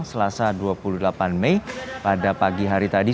selasa dua puluh delapan mei pada pagi hari tadi